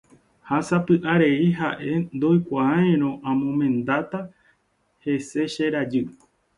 Ha sapy'arei ha'e ndoikuaairõ amomendáta hese che rajy.